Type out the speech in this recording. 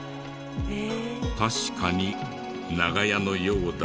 確かに長屋のようだけど。